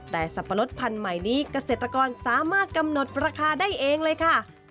แต่สับปะรดพันธุ์ใหม่นี้เกษตรกรสามารถกำหนดราคาได้เองเลยค่ะ